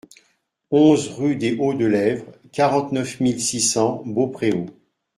onze rue des Hauts de l'Êvre, quarante-neuf mille six cents Beaupréau